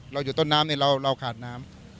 อยู่ต้นน้ำเนี่ยเราขาดน้ำ